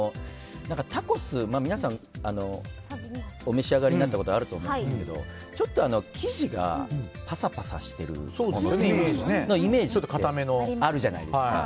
タコス、皆さんお召し上がりになったことあると思うんですけどちょっと生地がパサパサしてるイメージがあるじゃないですか。